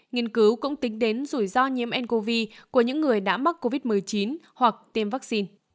nghiên cứu cũng tính đến rủi ro nhiễm ncov của những người đã mắc covid một mươi chín hoặc tiêm vaccine